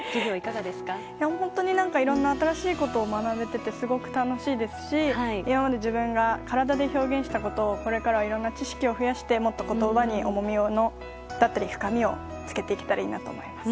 本当にいろんな新しいことを学べてて楽しいですし今まで自分が体で表現したことをこれからは知識を増やしてもっと言葉に重みだったり深みをつけていけたらいいなと思います。